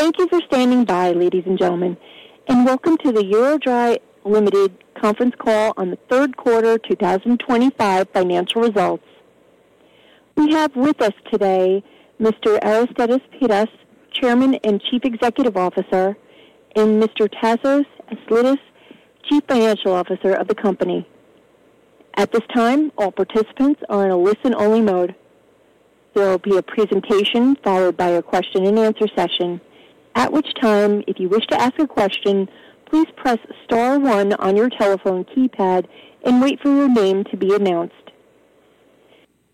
Thank you for standing by, ladies and gentlemen, and welcome to the EuroDry Limited Conference Call on the third quarter 2025 financial results. We have with us today Mr. Aristides Pittas, Chairman and Chief Executive Officer, and Mr. Tasos Aslidis, Chief Financial Officer of the company. At this time, all participants are in a listen-only mode. There will be a presentation followed by a question-and-answer session, at which time, if you wish to ask a question, please press star one on your telephone keypad and wait for your name to be announced.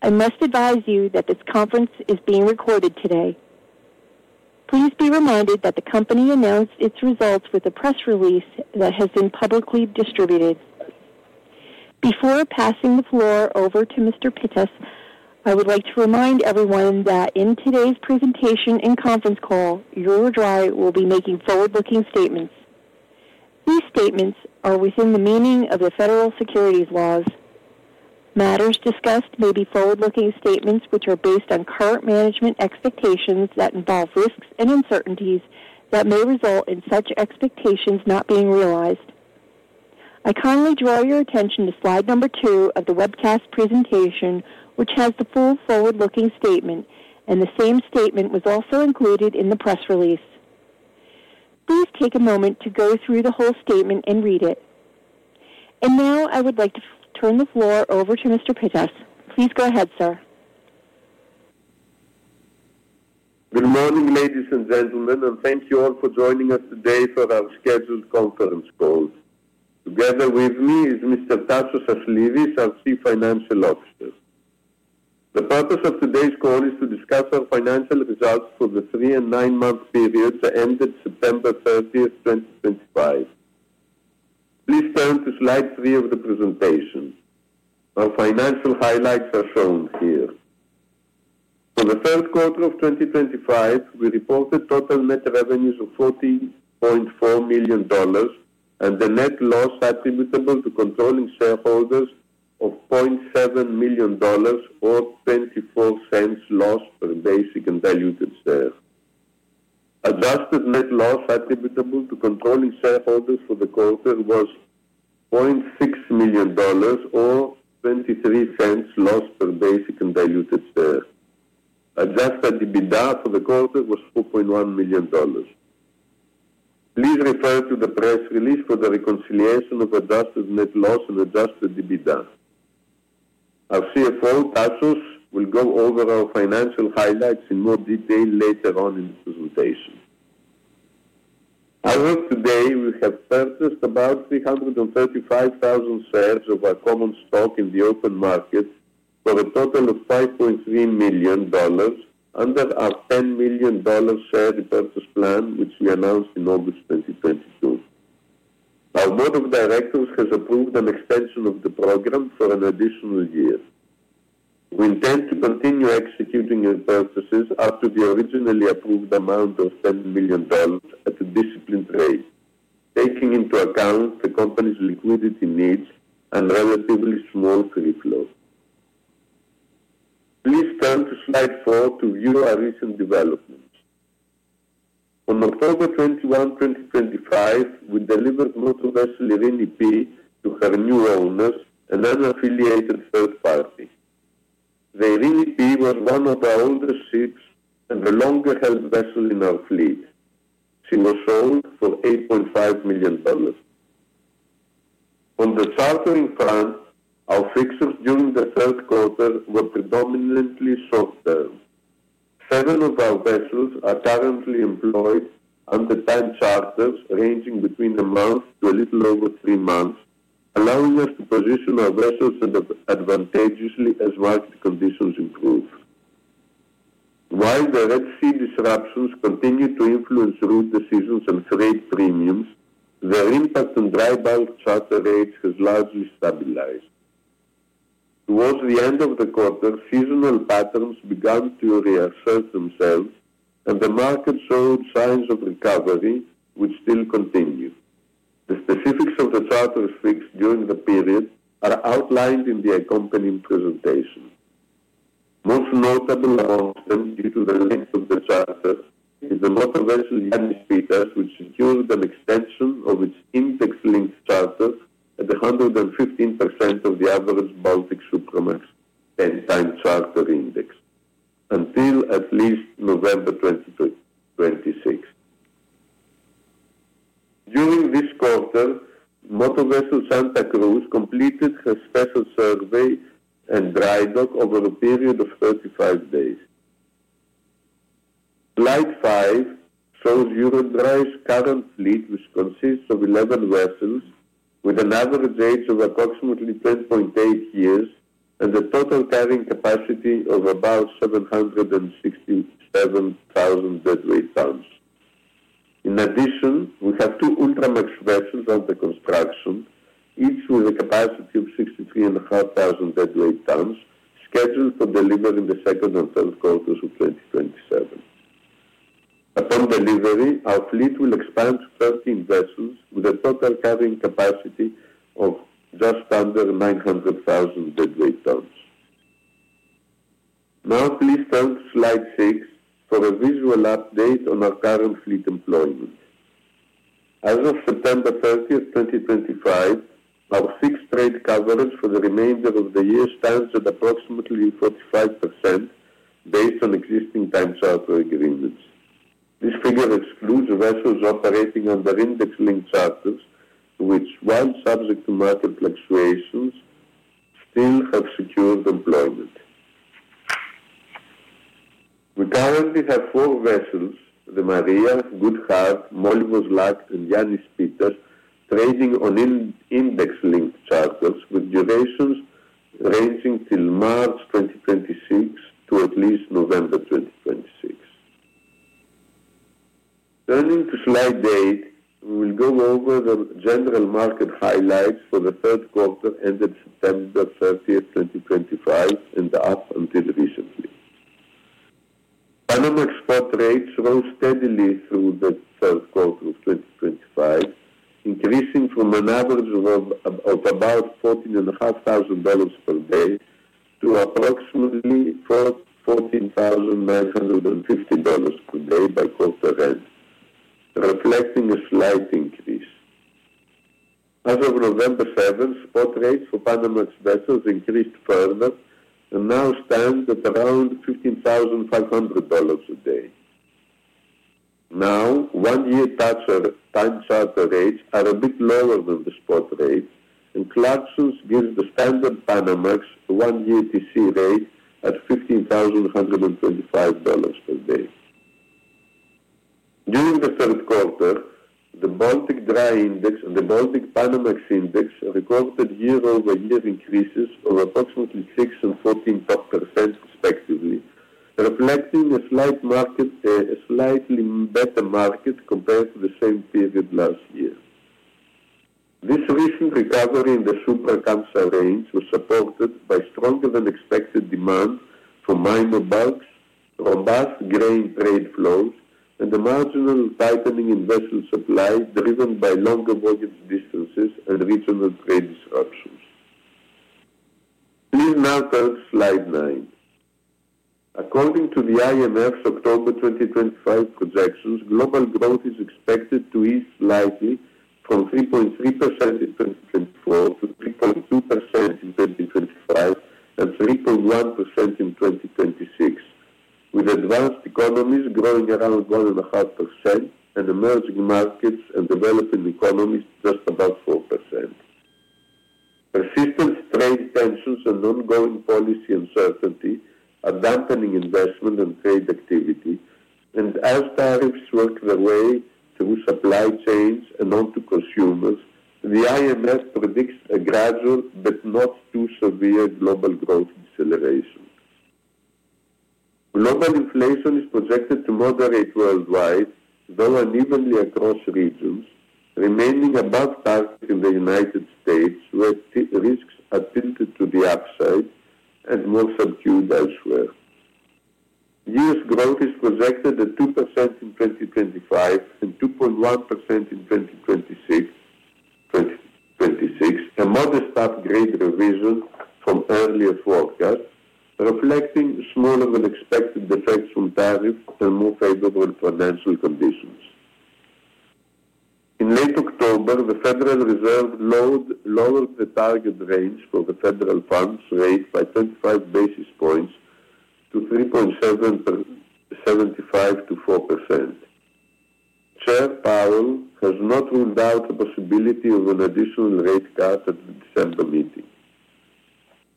I must advise you that this conference is being recorded today. Please be reminded that the company announced its results with a press release that has been publicly distributed. Before passing the floor over to Mr. Pittas, I would like to remind everyone that in today's presentation and Conference Call, EuroDry will be making forward-looking statements. These statements are within the meaning of the federal securities laws. Matters discussed may be forward-looking statements which are based on current management expectations that involve risks and uncertainties that may result in such expectations not being realized. I kindly draw your attention to slide number two of the webcast presentation, which has the full forward-looking statement, and the same statement was also included in the press release. Please take a moment to go through the whole statement and read it. I would like to turn the floor over to Mr. Pittas. Please go ahead, sir. Good morning, ladies and gentlemen, and thank you all for joining us today for our scheduled Conference Call. Together with me is Mr. Tasos Aslidis, our Chief Financial Officer. The purpose of today's call is to discuss our financial results for the three and nine-month period that ended September 30, 2025. Please turn to slide three of the presentation. Our financial highlights are shown here. For the third quarter of 2025, we reported total net revenues of $40.4 million and the net loss attributable to controlling shareholders of $0.7 million or $0.24 loss per basic and diluted share. Adjusted net loss attributable to controlling shareholders for the quarter was $0.6 million or $0.23 loss per basic and diluted share. Adjusted EBITDA for the quarter was $4.1 million. Please refer to the press release for the reconciliation of adjusted net loss and adjusted EBITDA. Our CFO, Tasos, will go over our financial highlights in more detail later on in the presentation. As of today, we have purchased about 335,000 shares of our common stock in the open market for a total of $5.3 million under our $10 million share repurchase plan, which we announced in August 2022. Our Board of Directors has approved an extension of the program for an additional year. We intend to continue executing repurchases up to the originally approved amount of $10 million at a disciplined rate, taking into account the company's liquidity needs and relatively small free float. Please turn to slide four to view our recent developments. On October 21, 2025, we delivered motor vessel Irini P to her new owners, an unaffiliated third party. The Irini P was one of our older ships and the longer-held vessel in our fleet. She was sold for $8.5 million. On the chartering front, our fixtures during the third quarter were predominantly short-term. Seven of our vessels are currently employed under time charters ranging between a month to a little over three months, allowing us to position our vessels advantageously as market conditions improve. While the Red Sea disruptions continue to influence route decisions and freight premiums, their impact on dry bulk charter rates has largely stabilized. Towards the end of the quarter, seasonal patterns began to reassert themselves, and the market showed signs of recovery, which still continue. The specifics of the charters fixed during the period are outlined in the accompanying presentation. Most notable among them, due to the length of the charter, is the motor vessel Irini Pittas, which secured an extension of its index-linked charter at 115% of the average Baltic Supramax Index until at least November 2026. During this quarter, motor vessel Santa Cruz completed her special survey and drydock over a period of 35 days. Slide five shows EuroDry's current fleet, which consists of 11 vessels with an average age of approximately 10.8 years and a total carrying capacity of about 767,000 deadweight tons. In addition, we have two Ultramax vessels under construction, each with a capacity of 63,500 deadweight tons, scheduled for delivery in the second and third quarters of 2027. Upon delivery, our fleet will expand to 13 vessels with a total carrying capacity of just under 900,000 deadweight tons. Now, please turn to slide six for a visual update on our current fleet employment. As of September 30, 2025, our fixed rate coverage for the remainder of the year stands at approximately 45% based on existing time charter agreements. This figure excludes vessels operating under index-linked charters, which, while subject to market fluctuations, still have secured employment. We currently have four vessels: the Mariar, Goodheart, Molyvos Luck, and Yanis Pittas, trading on index-linked charters with durations ranging till March 2026 to at least November 2026. Turning to slide eight, we will go over the general market highlights for the third quarter ended September 30, 2025, and up until recently. Panama export rates rose steadily through the third quarter of 2025, increasing from an average of about $14,500 per day to approximately $14,950 per day by quarter-end, reflecting a slight increase. As of November 7, spot rates for Panamax vessels increased further and now stand at around $15,500 a day. Now, one-year time charter rates are a bit lower than the spot rate, and Clarksons gives the standard Panamax one-year TC rate at $15,125 per day. During the third quarter, the Baltic Dry Index and the Baltic Panamax Index recorded Year-over-Year increases of approximately 6% and 14% respectively, reflecting a slightly better market compared to the same period last year. This recent recovery in the super-camsa range was supported by stronger-than-expected demand for minor bulks, robust grain trade flows, and a marginal tightening in vessel supply driven by longer voyage distances and regional trade disruptions. Please now turn to slide nine. According to the IMF's October 2025 projections, global growth is expected to ease slightly from 3.3% in 2024 to 3.2% in 2025 and 3.1% in 2026, with advanced economies growing around 1.5% and emerging markets and developing economies just above 4%. Persistent trade tensions and ongoing policy uncertainty are dampening investment and trade activity, and as tariffs work their way through supply chains and onto consumers, the IMF predicts a gradual but not too severe global growth deceleration. Global inflation is projected to moderate worldwide, though unevenly across regions, remaining above target in the U.S., where risks are tilted to the upside and more subdued elsewhere. U.S. growth is projected at 2% in 2025 and 2.1% in 2026, a modest upgrade revision from earlier forecasts, reflecting smaller-than-expected effects from tariffs and more favorable financial conditions. In late October, the Federal Reserve lowered the target range for the federal funds rate by 25 basis points to 3.75%-4%. Chair Powell has not ruled out the possibility of an additional rate cut at the December meeting.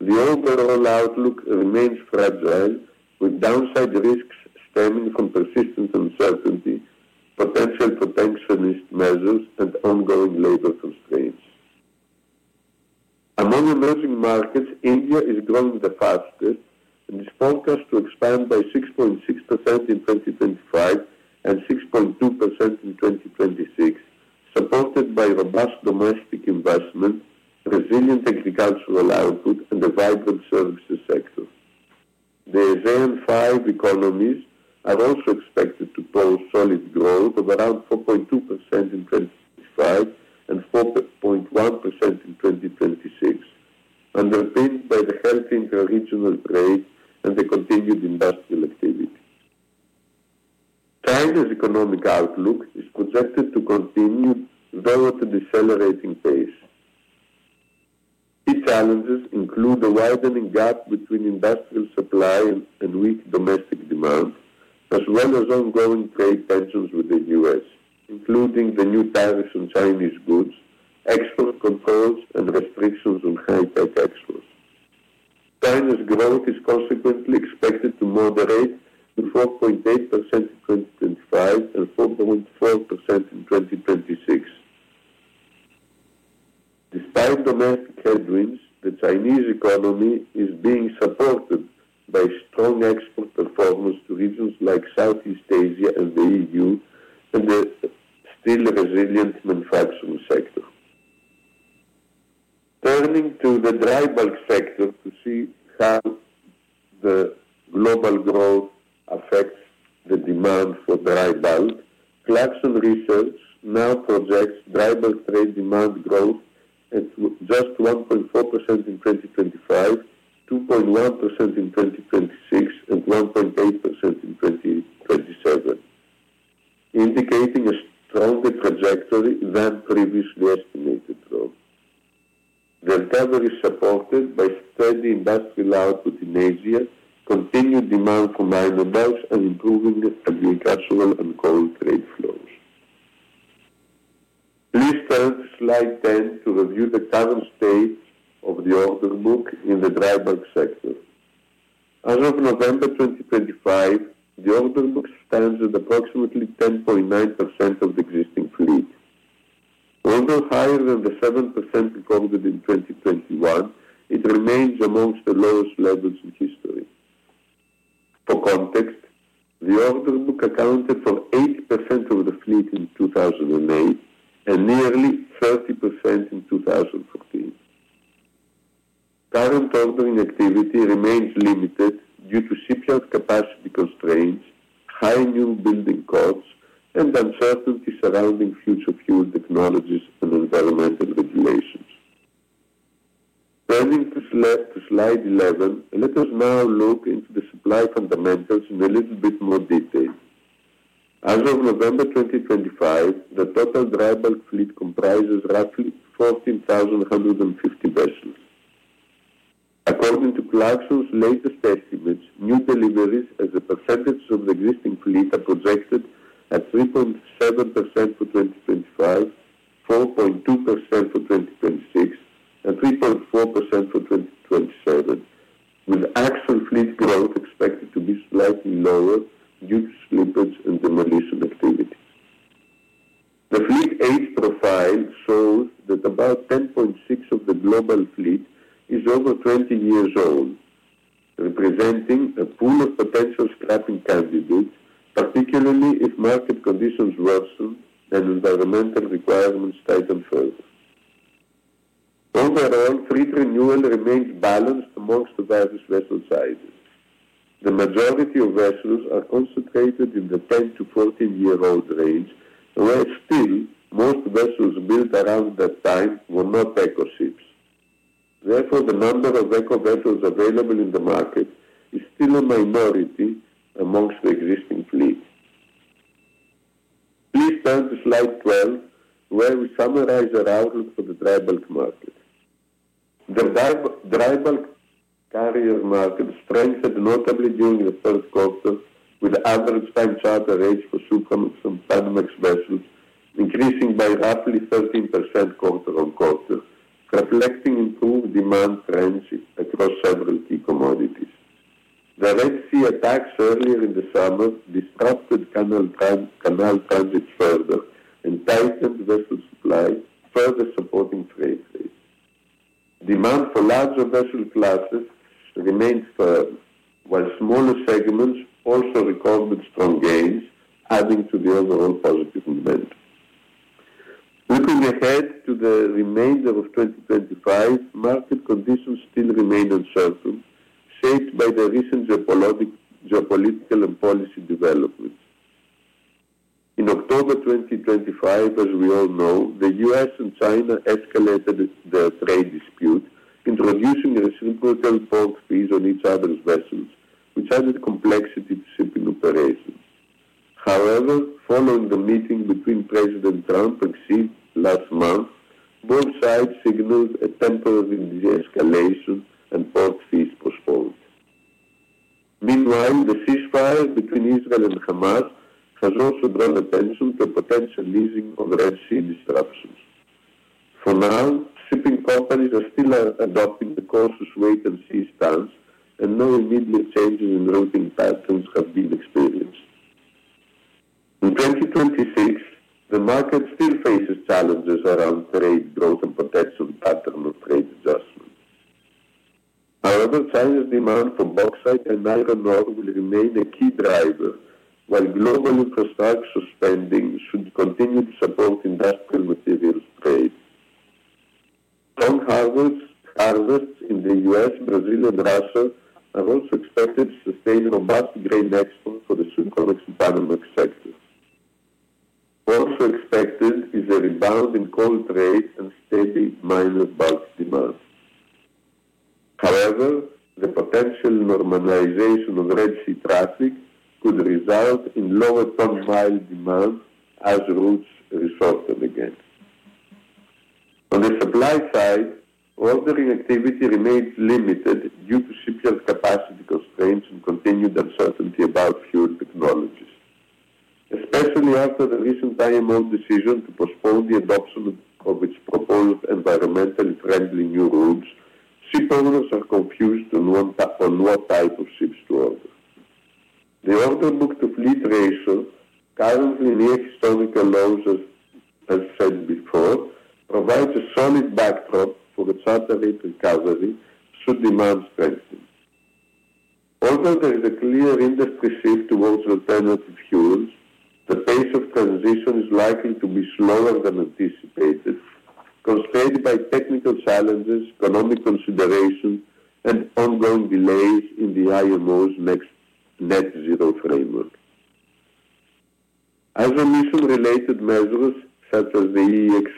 The overall outlook remains fragile, with downside risks stemming from persistent uncertainty, potential for protectionist measures, and ongoing labor constraints. Among emerging markets, India is growing the fastest, and it is forecast to expand by 6.6% in 2025 and 6.2% in 2026, supported by robust domestic investment, resilient agricultural output, and a vibrant services sector. The ASEAN five economies are also expected to post solid growth of around 4.2% in 2025 and 4.1% in 2026, underpinned by healthy interregional trade and continued industrial activity. China's economic outlook is projected to continue below the decelerating pace. Key challenges include a widening gap between industrial supply and weak domestic demand, as well as ongoing trade tensions with the U.S., including the new tariffs on Chinese goods, export controls, and restrictions on high-tech exports. China's growth is consequently expected to moderate to 4.8% in 2025 and 4.4% in 2026. Despite domestic headwinds, the Chinese economy is being supported by strong export performance to regions like Southeast Asia and the EU and the still resilient manufacturing sector. Turning to the dry bulk sector to see how the global growth affects the demand for dry bulk, Clarksons Research now projects dry bulk trade demand growth at just 1.4% in 2025, 2.1% in 2026, and 1.8% in 2027, indicating a stronger trajectory than previously estimated growth. The recovery is supported by steady industrial output in Asia, continued demand for minor bulks, and improving agricultural and coal trade flows. Please turn to slide 10 to review the current state of the order book in the dry bulk sector. As of November 2025, the order book stands at approximately 10.9% of the existing fleet. Although higher than the 7% recorded in 2021, it remains amongst the lowest levels in history. For context, the order book Accounted for 8% of the fleet in 2008 and nearly 30% in 2014. Current ordering activity remains limited due to shipyard capacity constraints, high new building costs, and uncertainty surrounding future fuel technologies and environmental regulations. Turning to slide 11, let us now look into the supply fundamentals in a little bit more detail. As of November 2025, the total dry bulk fleet comprises roughly 14,150 vessels. According to Clarksons' latest estimates, new deliveries as a percentage of the existing fleet are projected at 3.7% for 2025, 4.2% for 2026, and 3.4% for 2027, with actual fleet growth expected to be slightly lower due to slippage and demolition activities. The fleet age profile shows that about 10.6% of the global fleet is over 20 years old, representing a pool of potential scrapping candidates, particularly if market conditions worsen and environmental requirements tighten further. Overall, fleet renewal remains balanced amongst the various vessel sizes. The majority of vessels are concentrated in the 10-14 year-old range, where still most vessels built around that time were not eco-ships. Therefore, the number of eco-vessels available in the market is still a minority amongst the existing fleet. Please turn to slide 12, where we summarize our outlook for the dry bulk market. The dry bulk carrier market strengthened notably during the third quarter, with average time charter rates for supramax and panamax vessels increasing by roughly 13% quarter-on-quarter, reflecting improved demand trends across several key commodities. The Red Sea attacks earlier in the summer disrupted canal transit further and tightened vessel supply, further supporting trade rates. Demand for larger vessel classes remained firm, while smaller segments also recorded strong gains, adding to the overall positive momentum. Looking ahead to the remainder of 2025, market conditions still remain uncertain, shaped by the recent geopolitical and policy developments. In October 2025, as we all know, the U.S. and China escalated their trade dispute, introducing reciprocal port fees on each other's vessels, which added complexity to shipping operations. However, following the meeting between President Trump and Xi last month, both sides signaled a temporary de-escalation and port fees postponed. Meanwhile, the ceasefire between Israel and Hamas has also drawn attention to a potential easing of Red Sea disruptions. For now, shipping companies are still adopting the cautious wait-and-see stance, and no immediate changes in routing patterns have been experienced. In 2026, the market still faces challenges around trade growth and potential pattern of trade adjustments. However, China's demand for bauxite and iron ore will remain a key driver, while global infrastructure spending should continue to support industrial materials trade. Long harvests in the U.S., Brazil, and Russia are also expected to sustain robust grain exports for the supramax and panamax sectors. Also expected is a rebound in coal trade and steady minor bulk demand. However, the potential normalization of Red Sea traffic could result in lower ton mile demand as routes resort them again. On the supply side, ordering activity remains limited due to shipyard capacity constraints and continued uncertainty about fuel technologies. Especially after the recent IMO decision to postpone the adoption of its proposed environmentally friendly new rules, shipowners are confused on what type of ships to order. The order book-to-fleet ratio, currently near historical lows as said before, provides a solid backdrop for a total rate recovery should demand strengthen. Although there is a clear industry shift towards alternative fuels, the pace of transition is likely to be slower than anticipated, constrained by technical challenges, economic considerations, and ongoing delays in the IMO's next net-zero framework. As emission-related measures such as the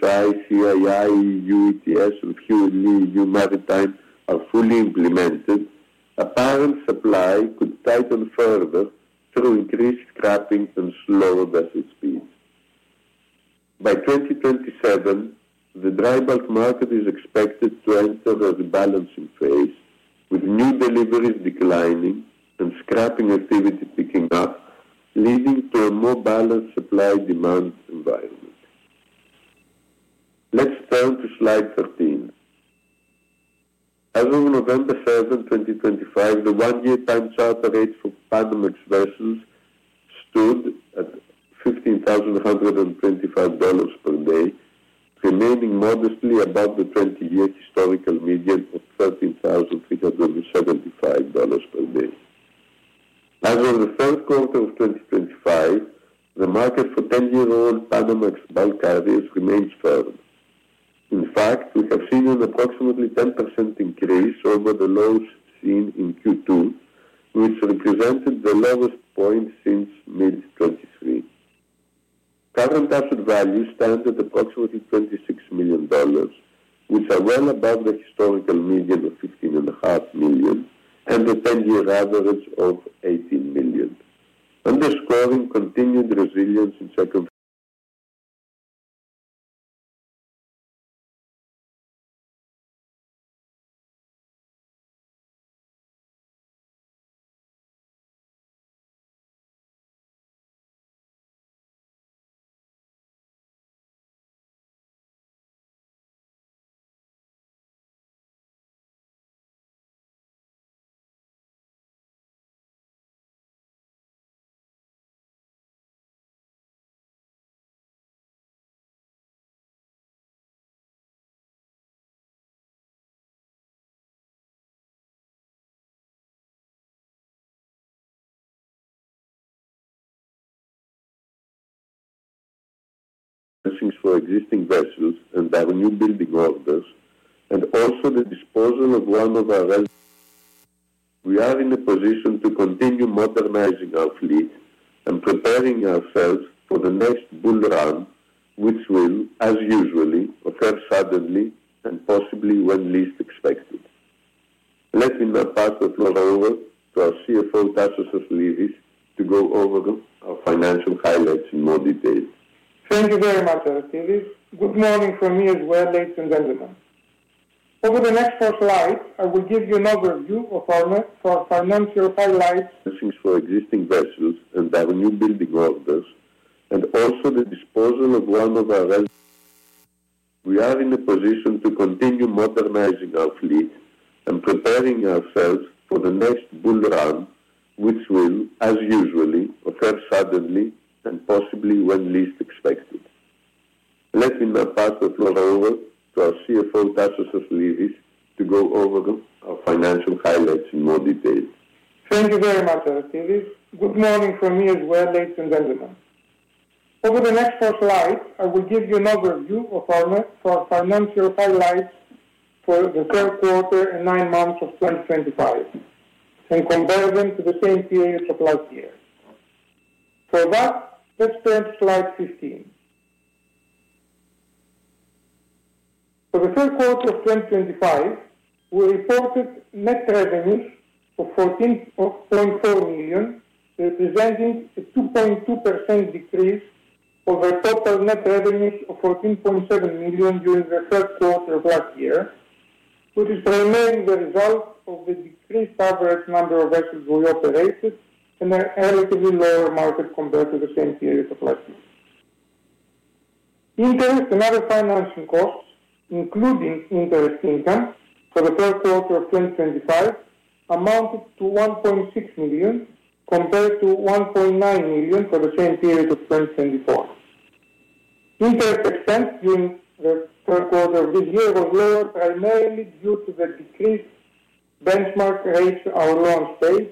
EEXI, CII, EU ETS, and Fuel EU Maritime are fully implemented, apparent supply could tighten further through increased scrapping and slower vessel speeds. By 2027, the dry bulk market is expected to enter a rebalancing phase, with new deliveries declining and scrapping activity picking up, leading to a more balanced supply-demand environment. Let's turn to slide 13. As of November 7, 2025, the one-year time charter rate for panamax vessels stood at $15,125 per day, remaining modestly above the 20-year historical median of $13,375 per day. As of the third quarter of 2025, the market for 10 year-old panamax bulk carriers remains firm. In fact, we have seen an approximately 10% increase over the lows seen in Q2, which represented the lowest point since mid-2023. Current asset values stand at approximately $26 million, which are well above the historical median of $15.5 million and the 10-year average of $18 million, underscoring continued resilience in second. For existing vessels and our new building orders, and also the disposal of one of our vessels, we are in a position to continue modernizing our fleet and preparing ourselves for the next bull run, which will, as usual, occur suddenly and possibly when least expected. Let me now pass the floor over to our CFO, Tasos Aslidis, to go over our financial highlights in more detail. Thank you very much, Aslidis. Good morning from me as well, ladies and gentlemen. Over the next four slides, I will give you an overview of our financial highlights. For existing vessels and our new building orders, and also the disposal of one of our vessels, we are in a position to continue modernizing our fleet and preparing ourselves for the next bull run, which will, as usual, occur suddenly and possibly when least expected. Let me now pass the floor over to our CFO, Tasos Aslidis, to go over our financial highlights in more detail. Thank you very much, Aslidis. Good morning from me as well, ladies and gentlemen. Over the next four slides, I will give you an overview of our financial highlights for the third quarter and nine months of 2025, and compare them to the same period of last year. For that, let's turn to slide 15. For the third quarter of 2025, we reported net revenues of $14.4 million, representing a 2.2% decrease over total net revenues of $14.7 million during the third quarter of last year, which is primarily the result of the decreased average number of vessels we operated and a relatively lower market compared to the same period of last year. Interest and other financing costs, including interest income for the third quarter of 2025, amounted to $1.6 million compared to $1.9 million for the same period of 2024. Interest expense during the third quarter of this year was lower, primarily due to the decreased benchmark rate, our loan space,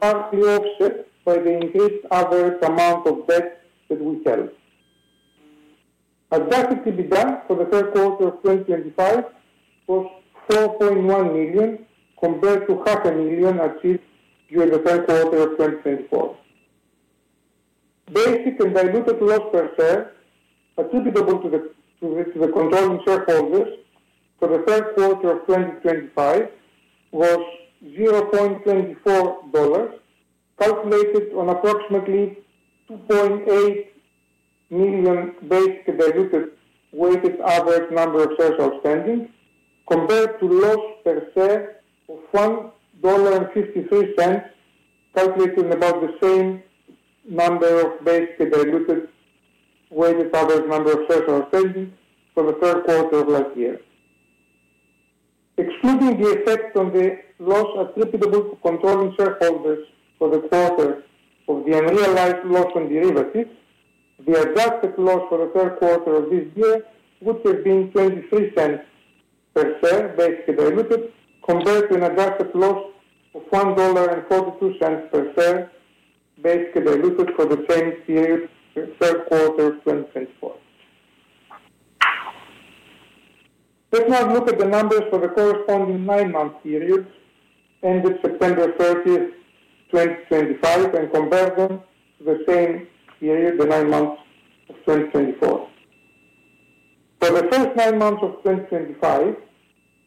partly offset by the increased average amount of debt that we held. Adjusted EBITDA for the third quarter of 2025 was $4.1 million compared to $0.5 million achieved during the third quarter of 2024. Basic and diluted loss per share, attributable to the controlling shareholders for the third quarter of 2025, was $0.24, calculated on approximately 2.8 million basic and diluted weighted average number of shares outstanding, compared to loss per share of $1.53, calculated on about the same number of basic and diluted weighted average number of shares outstanding for the third quarter of last year. Excluding the effect on the loss attributable to controlling shareholders for the quarter of the unrealized loss on derivatives, the adjusted loss for the third quarter of this year would have been $0.23 per share basic and diluted, compared to an adjusted loss of $1.42 per share basic and diluted for the same period, third quarter of 2024. Let's now look at the numbers for the corresponding nine-month periods ended September 30, 2025, and compare them to the same period, the nine months of 2024. For the first nine months of 2025,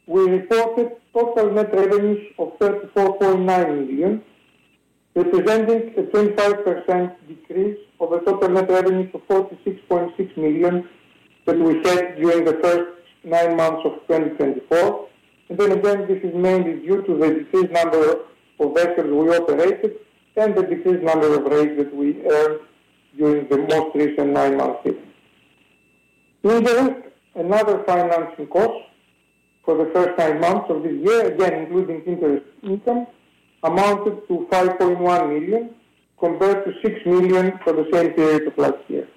we reported total net revenues of $34.9 million, representing a 25% decrease over total net revenues of $46.6 million that we had during the first nine months of 2024. This is mainly due to the decreased number of vessels we operated and the decreased number of rates that we earned during the most recent nine-month period. Interest, another financing cost for the first nine months of this year, again including interest income, amounted to $5.1 million compared to $6 million for the same period of last year.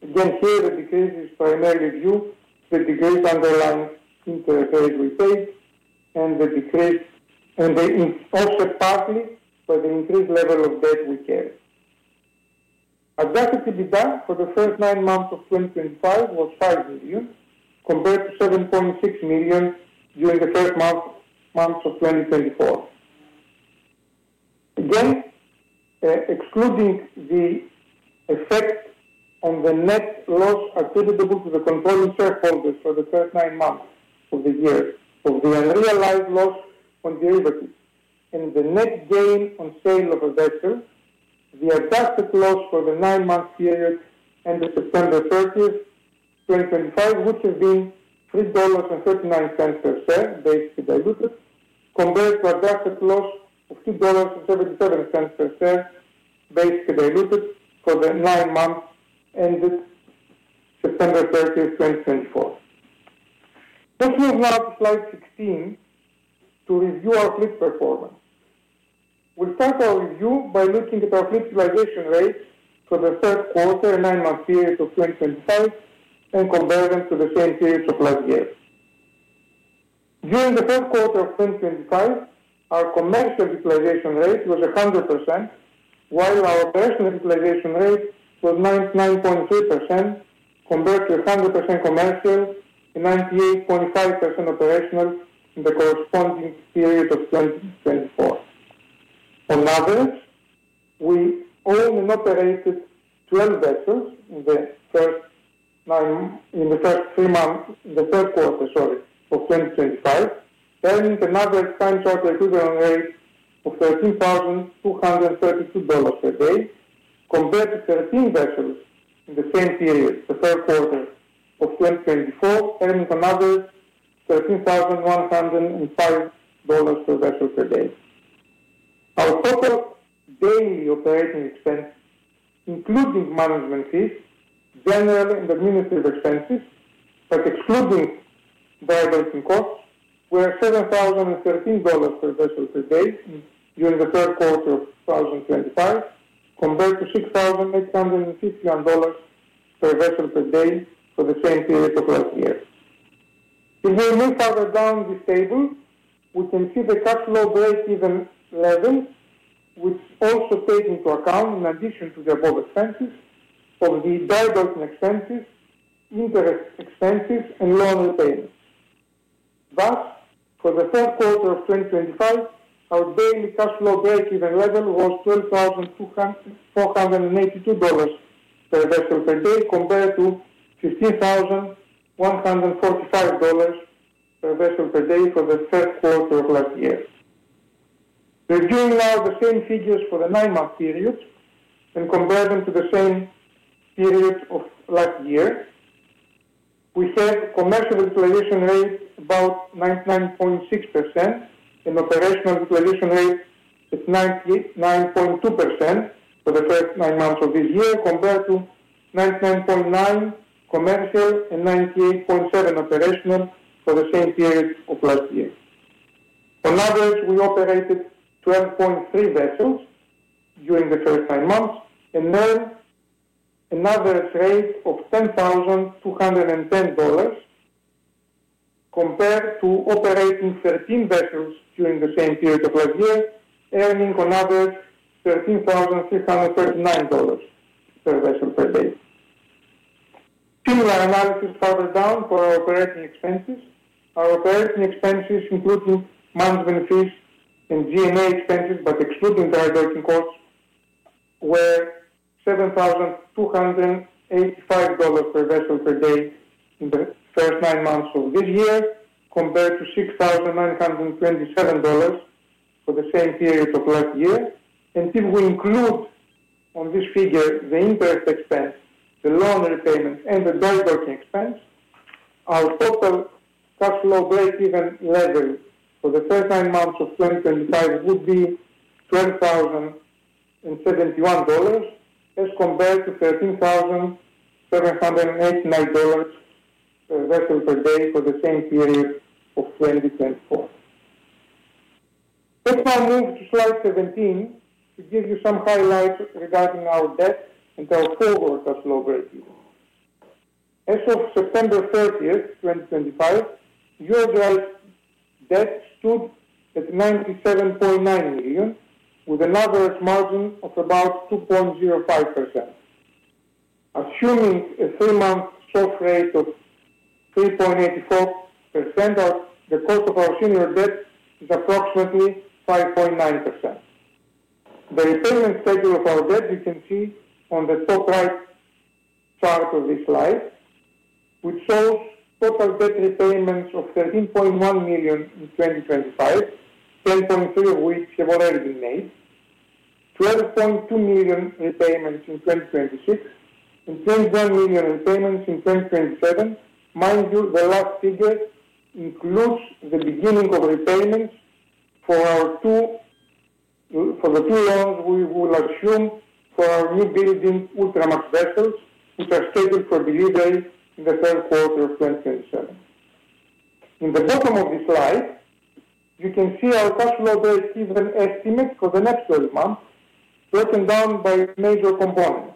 Here the decrease is primarily due to the decreased underlying interest rate we paid and the decreased, and they offset partly by the increased level of debt we carried. Adjusted EBITDA for the first nine months of 2025 was $5 million compared to $7.6 million during the first months of 2024. Again, excluding the effect on the net loss attributable to the controlling shareholders for the first nine months of the year, of the unrealized loss on derivatives and the net gain on sale of a vessel, the adjusted loss for the nine-month period ended September 30, 2025, would have been $3.39 per share basic and diluted compared to adjusted loss of $2.77 per share basic and diluted for the nine months ended September 30, 2024. Let's move now to slide 16 to review our fleet performance. We'll start our review by looking at our fleet utilization rates for the third quarter and nine-month period of 2025 and compare them to the same period of last year. During the third quarter of 2025, our commercial utilization rate was 100%, while our operational utilization rate was 99.3% compared to 100% commercial and 98.5% operational in the corresponding period of 2024. On average, we owned and operated 12 vessels in the first nine in the first three months in the third quarter, sorry, of 2025, earning an average time charter equivalent rate of $13,232 per day compared to 13 vessels in the same period, the third quarter of 2024, earning an average of $13,105 per vessel per day. Our total daily operating expenses, including management fees, general and administrative expenses, but excluding variable costs, were $7,013 per vessel per day during the third quarter of 2025 compared to $6,851 per vessel per day for the same period of last year. If we move further down this table, we can see the Cash Flow Break-Even level, which also takes into account, in addition to the above expenses, of the variable expenses, interest expenses, and loan repayments. Thus, for the third quarter of 2025, our daily Cash Flow Break-Even level was $12,482 per vessel per day compared to $15,145 per vessel per day for the third quarter of last year. Reviewing now the same figures for the nine-month period and comparing them to the same period of last year, we have commercial utilization rate about 99.6% and operational utilization rate at 99.2% for the first nine months of this year compared to 99.9% commercial and 98.7% operational for the same period of last year. On average, we operated 12.3 vessels during the first nine months and earned an average rate of $10,210 compared to operating 13 vessels during the same period of last year, earning an average of $13,639 per vessel per day. Similar analysis further down for our operating expenses. Our operating expenses, including management fees and GMA expenses, but excluding variable costs, were $7,285 per vessel per day in the first nine months of this year compared to $6,927 for the same period of last year. If we include on this figure the interest expense, the loan repayment, and the variable expense, our total Cash Flow Break-Even level for the first nine months of 2025 would be $12,071 as compared to $13,789 per vessel per day for the same period of 2024. Let's now move to slide 17 to give you some highlights regarding our debt and our forward Cash Flow Break-Even. As of September 30, 2025, EuroDry's debt stood at $97.9 million, with an average margin of about 2.05%. Assuming a three-month soft rate of 3.84%, the cost of our senior debt is approximately 5.9%. The repayment schedule of our debt, you can see on the top right part of this slide, which shows total debt repayments of $13.1 million in 2025, $10.3 million of which have already been made, $12.2 million repayments in 2026, and $21 million repayments in 2027. Mind you, the last figure includes the beginning of repayments for the two loans we will assume for our new building Ultramax vessels, which are scheduled for the due date in the third quarter of 2027. In the bottom of this slide, you can see our Cash Flow Break-Even estimate for the next 12 months broken down by major components.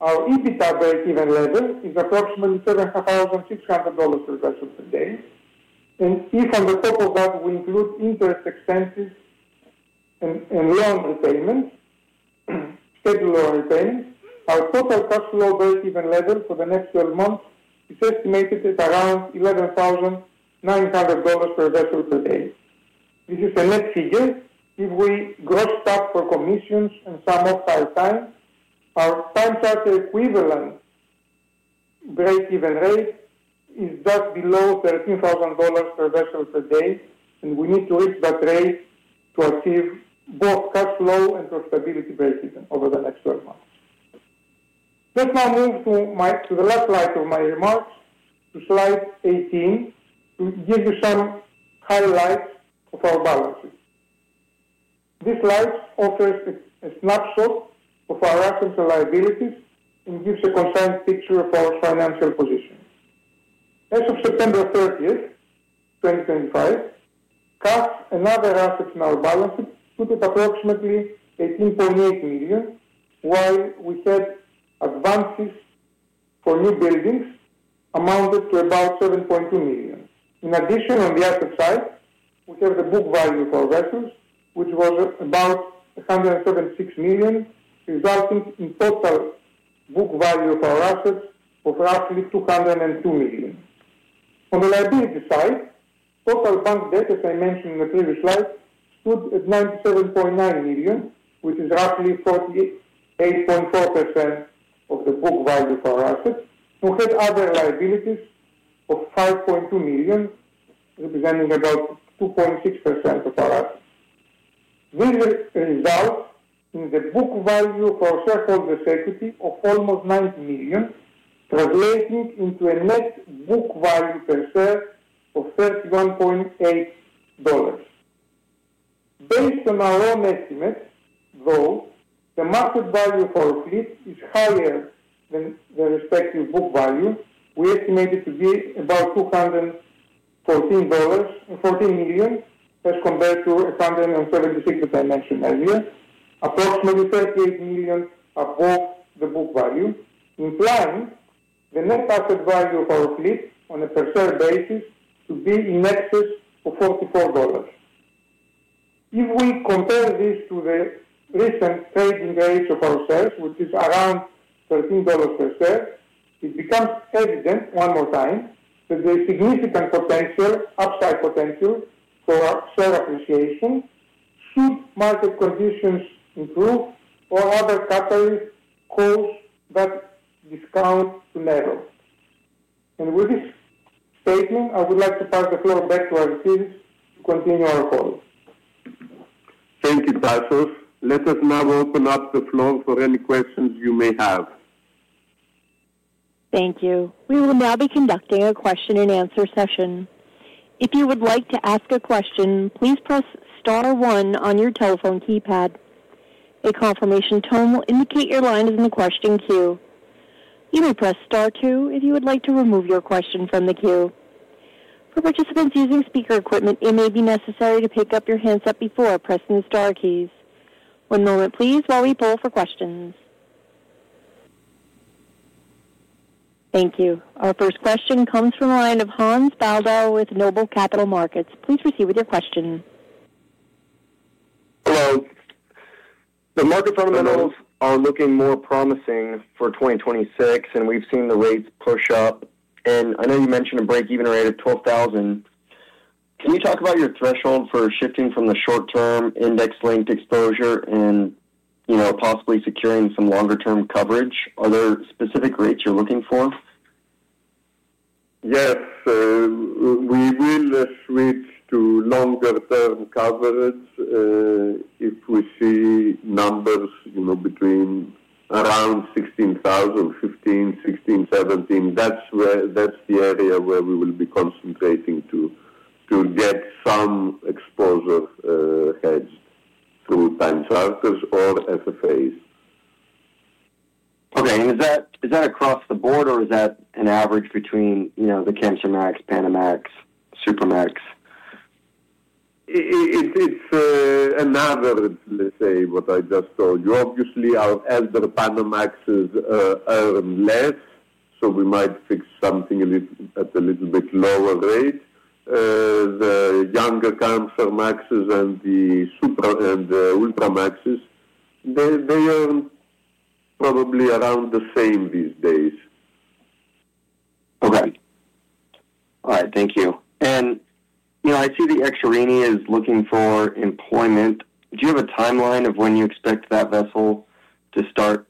Our EBITDA break-even level is approximately $7,600 per vessel per day. If on the top of that we include interest expenses and loan repayments, schedule our repayments, our total Cash Flow Break-Even level for the next 12 months is estimated at around $11,900 per vessel per day. This is a net figure. If we gross that for commissions and some offside time, our time charter equivalent break-even rate is just below $13,000 per vessel per day, and we need to reach that rate to achieve both cash flow and profitability break-even over the next 12 months. Let's now move to the last slide of my remarks, to slide 18, to give you some highlights of our balances. This slide offers a snapshot of our assets and liabilities and gives a concise picture of our financial position. As of September 30, 2025, cash and other assets in our balance excluded approximately $18.8 million, while we had advances for new buildings amounted to about $7.2 million. In addition, on the asset side, we have the book value for vessels, which was about $176 million, resulting in total book value of our assets of roughly $202 million. On the liability side, total bank debt, as I mentioned in the previous slide, stood at $97.9 million, which is roughly 48.4% of the book value of our assets, and we had other liabilities of $5.2 million, representing about 2.6% of our assets. This results in the book value for shareholders' equity of almost $9 million, translating into a net book value per share of $31.8. Based on our own estimates, though, the market value for a fleet is higher than the respective book value. We estimate it to be about $214 million, as compared to $176 that I mentioned earlier, approximately $38 million above the book value, implying the net asset value of our fleet on a per share basis to be in excess of $44. If we compare this to the recent trading rate of our shares, which is around $13 per share, it becomes evident one more time that there is significant potential, upside potential, for share appreciation should market conditions improve or other categories cause that discount to narrow. With this statement, I would like to pass the floor back to our representatives to continue our call. Thank you, Tasos. Let us now open up the floor for any questions you may have. Thank you. We will now be conducting a question-and-answer session. If you would like to ask a question, please press Star 1 on your telephone keypad. A confirmation tone will indicate your line is in the question queue. You may press Star 2 if you would like to remove your question from the queue. For participants using speaker equipment, it may be necessary to pick up your handset before pressing the Star keys. One moment, please, while we pull for questions. Thank you. Our first question comes from a line of Hans Baldau with Noble Capital Markets. Please proceed with your question. Hello. The market fundamentals are looking more promising for 2026, and we've seen the rates push up. I know you mentioned a break-even rate of $12,000. Can you talk about your threshold for shifting from the short-term Index-linked exposure and possibly securing some longer-term coverage? Are there specific rates you're looking for? Yes. We will switch to longer-term coverage if we see numbers between around $16,000, $15,000, $16,000, $17,000. That's the area where we will be concentrating to get some exposure hedged through time charters or SFAs. Okay. Is that across the board, or is that an average between the Kamsarmax, Panamax, Supramax? It's another, let's say, what I just told you. Obviously, our elder Panamaxes earn less, so we might fix something at a little bit lower rate. The Younger Kamsarmaxes and the Ultramaxes, they earn probably around the same these days. Okay. All right. Thank you. I see the extra Ekaterini is looking for employment. Do you have a timeline of when you expect that vessel to start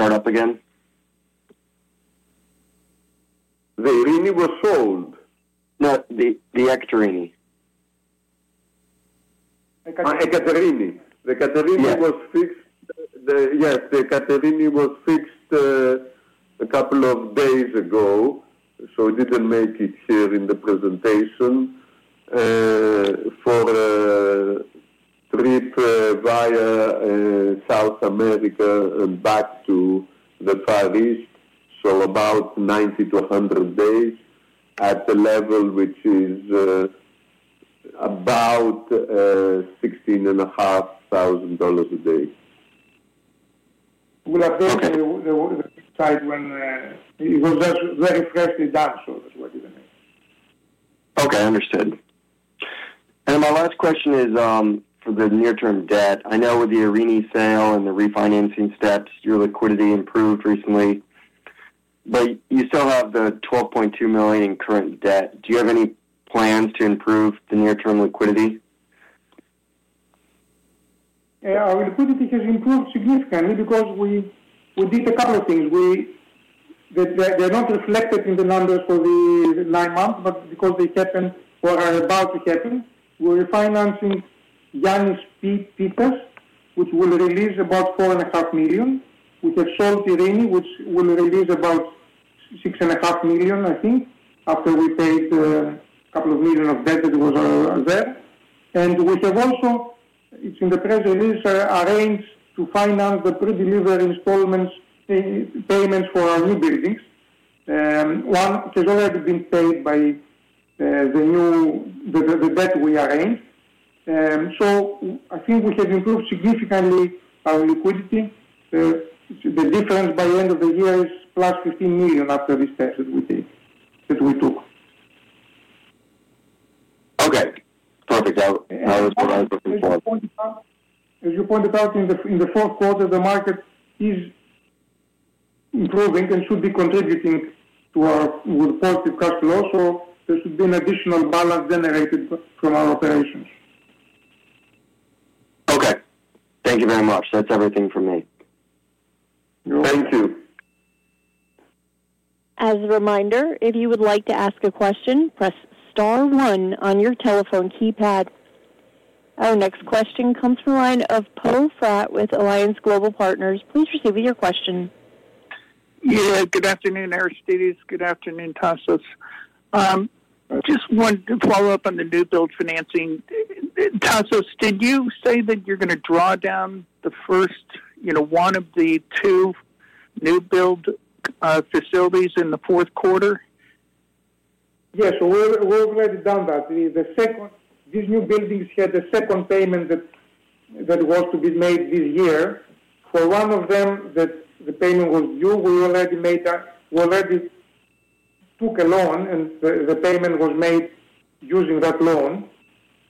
up again? The Ekaterini was sold. No, the extra Ekaterini. The extra Ekaterini. The extra Ekaterini was fixed. Yes, the extra Ekaterini was fixed a couple of days ago, so it did not make it here in the presentation for a trip via South America and back to the Far East, so about 90-100 days at the level which is about $16,500 a day. We have the site when it was just very freshly done, so that is what you mean. Okay. Understood. My last question is for the near-term debt. I know with the Irini P sale and the refinancing steps, your liquidity improved recently, but you still have the $12.2 million in current debt. Do you have any plans to improve the near-term liquidity? Yeah. Our liquidity has improved significantly because we did a couple of things. They are not reflected in the numbers for the nine months, but because they happened or are about to happen, we are financing Yanis Pittas. Pittas, which will release about $4.5 million. We have sold the Ekaterini, which will release about $6.5 million, I think, after we paid a couple of million of debt that was there. We have also, it is in the press release, arranged to finance the pre-delivery installment payments for our new buildings. One has already been paid by the debt we arranged. I think we have improved significantly our liquidity. The difference by the end of the year is plus $15 million after this test that we took. Okay. Perfect. I was looking forward. As you pointed out, in the fourth quarter, the market is improving and should be contributing to our positive cash flow, so there should be an additional balance generated from our operations. Okay. Thank you very much. That is everything from me. Thank you. As a reminder, if you would like to ask a question, press Star 1 on your telephone keypad. Our next question comes from a line of Poe Fratt with Alliance Global Partners. Please proceed with your question. Good afternoon, Aristides. Good afternoon, Tasos. Just wanted to follow up on the new build financing. Tasos, did you say that you're going to draw down the first one of the two new build facilities in the fourth quarter? Yes. We've already done that. These new buildings had the second payment that was to be made this year. For one of them, the payment was due. We already took a loan, and the payment was made using that loan.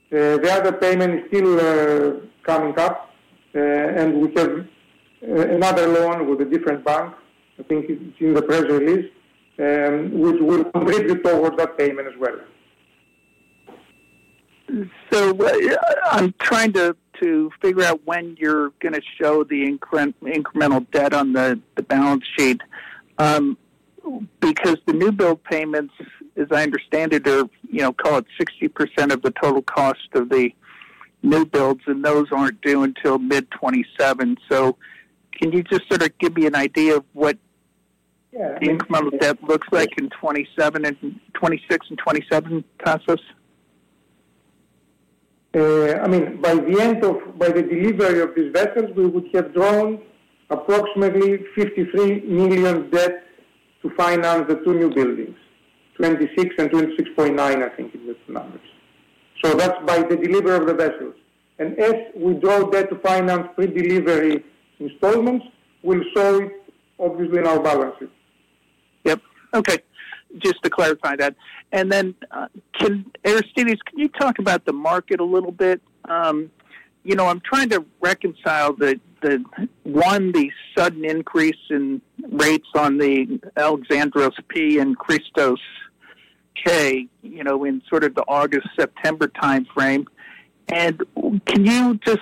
The other payment is still coming up, and we have another loan with a different bank. I think it's in the press release, which will contribute towards that payment as well. I'm trying to figure out when you're going to show the incremental debt on the balance sheet because the new build payments, as I understand it, are called 60% of the total cost of the new builds, and those aren't due until mid-2027. Can you just sort of give me an idea of what the incremental debt looks like in 2026 and 2027, Tasos? I mean, by the end of, by the delivery of these vessels, we would have drawn approximately $53 million debt to finance the two new buildings, $26 million and $26.9 million, I think, in the numbers. That's by the delivery of the vessels. As we draw debt to finance pre-delivery installments, we'll show it, obviously, in our balance sheet. Okay. Just to clarify that. Aristides, can you talk about the market a little bit? I'm trying to reconcile the, one, the sudden increase in rates on the Alexandros P. and Christos K. in sort of the August-September timeframe. Can you just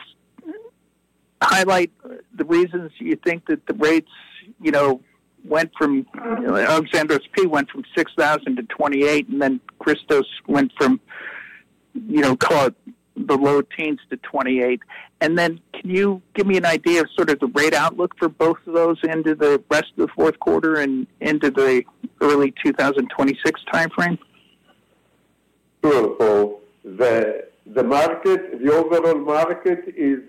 highlight the reasons you think that the rates went from Alexandros P. went from $6,000 to $28,000, and then Christos went from, call it, the low teens to $28,000? Can you give me an idea of sort of the rate outlook for both of those into the rest of the fourth quarter and into the early 2026 timeframe? Sure. The overall market is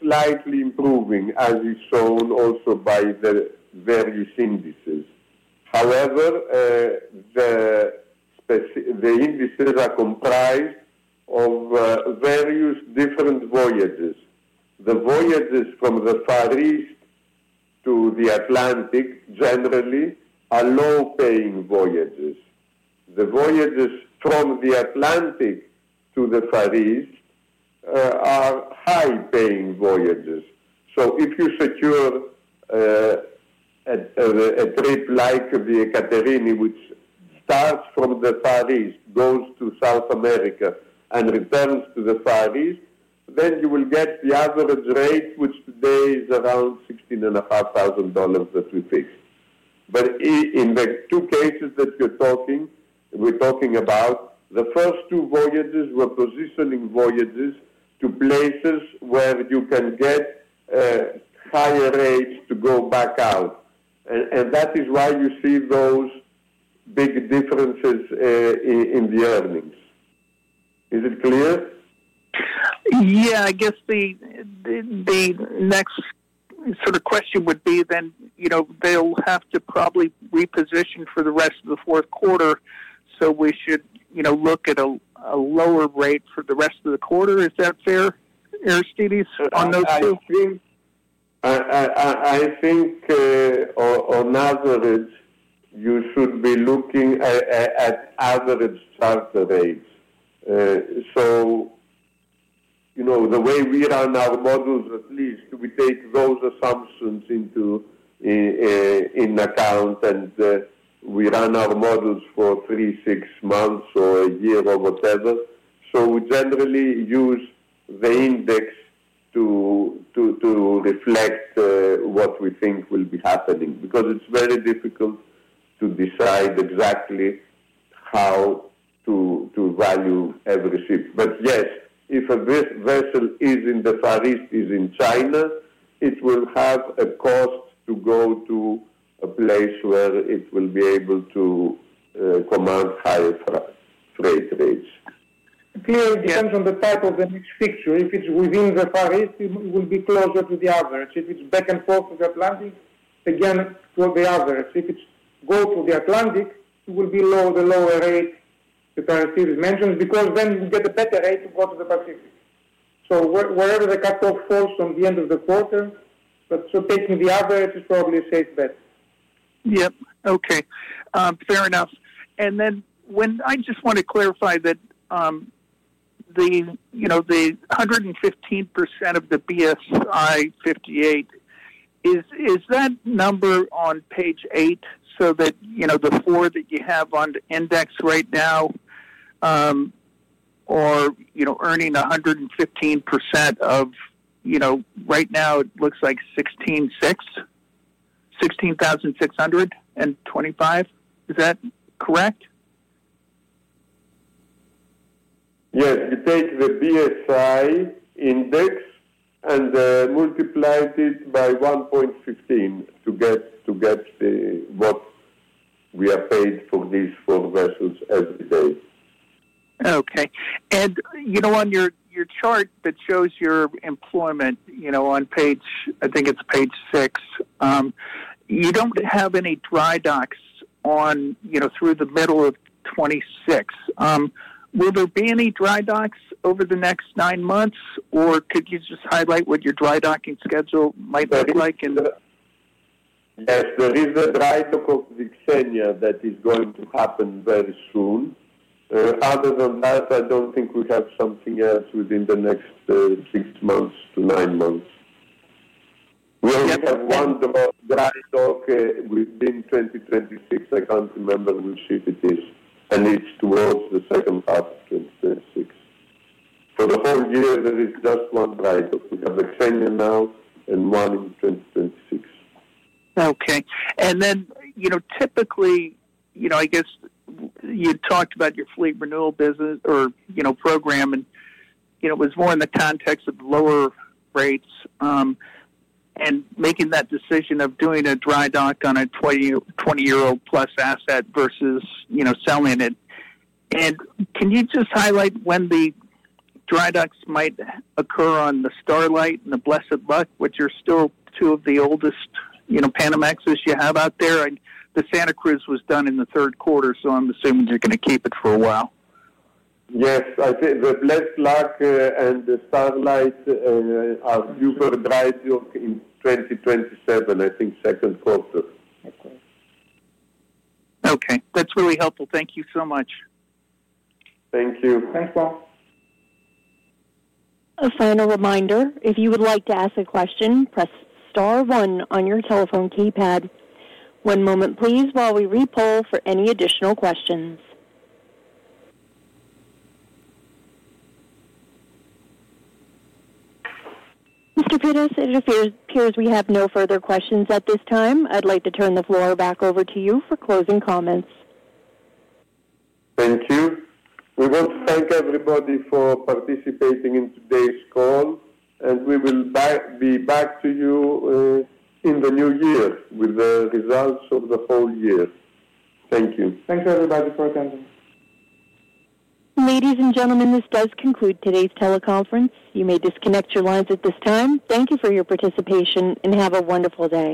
slightly improving, as is shown also by the various indices. However, the indices are comprised of various different voyages. The voyages from the Far East to the Atlantic, generally, are low-paying voyages. The voyages from the Atlantic to the Far East are high-paying voyages. If you secure a trip like the Ekaterini, which starts from the Far East, goes to South America, and returns to the Far East, then you will get the average rate, which today is around $16,500 that we fixed. In the two cases that you are talking about, the first two voyages were positioning voyages to places where you can get higher rates to go back out. That is why you see those big differences in the earnings. Is it clear? Yeah. I guess the next sort of question would be then they will have to probably reposition for the rest of the fourth quarter, so we should look at a lower rate for the rest of the quarter. Is that fair, Aristides, on those two? I think on average, you should be looking at average charter rates. The way we run our models, at least, we take those Assumptions into account, and we run our models for three, six months or a year or whatever. We generally use the index to reflect what we think will be happening because it's very difficult to decide exactly how to value every ship. Yes, if a vessel is in the Far East, is in China, it will have a cost to go to a place where it will be able to command higher freight rates. Clearly, it depends on the type of the mixed fixture. If it's within the Far East, it will be closer to the average. If it's back and forth to the Atlantic, again, to the average. If it's go to the Atlantic, it will be the lower rate that Aristides mentioned because then you get a better rate to go to the Pacific. Wherever the cut-off falls on the end of the quarter, but taking the average is probably a safe bet. Yep. Okay. Fair enough. I just want to clarify that the 115% of the BSI 58, is that number on page eight, so that the four that you have on the index right now are earning 115% of right now, it looks like $16,600 and $25,000. Is that correct? Yes. They take the BSI index and multiply it by 1.15 to get what we are paid for these four vessels every day. Okay. On your chart that shows your employment on page, I think it is page six, you do not have any dry docks through the middle of 2026. Will there be any dry docks over the next nine months, or could you just highlight what your drydocking schedule might look like? Yes. There is a drydock of Vixenia that is going to happen very soon. Other than that, I do not think we have something else within the next six months to nine months. We only have one drydock within 2026. I cannot remember which ship it is, and it is towards the second half of 2026. For the whole year, there is just one drydock. We have Vixenia now and one in 2026. Okay. Typically, I guess you had talked about your fleet renewal business or program, and it was more in the context of lower rates and making that decision of doing a drydock on a 20 year-old plus asset versus selling it. Can you just highlight when the drydocks might occur on the Starlight and the Blessed Luck, which are still two of the oldest Panamaxes you have out there? The Santa Cruz was done in the third quarter, so I'm assuming you're going to keep it for a while. Yes, the Blessed Luck and the Starlight are due for a dry dock in 2027, I think, second quarter. Okay. That's really helpful. Thank you so much. Thank you. Thanks, Paul. A final reminder, if you would like to ask a question, press Star 1 on your telephone keypad. One moment, please, while we re-poll for any additional questions. Mr. Pittas, it appears we have no further questions at this time. I'd like to turn the floor back over to you for closing comments. Thank you. We want to thank everybody for participating in today's call, and we will be back to you in the new year with the results of the whole year. Thank you. Thanks, everybody, for attending. Ladies and gentlemen, this does conclude today's teleconference. You may disconnect your lines at this time. Thank you for your participation, and have a wonderful day.